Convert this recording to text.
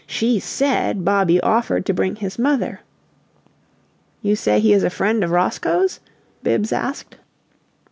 She SAID Bobby offered to bring his mother " "You say he is a friend of Roscoe's?" Bibbs asked.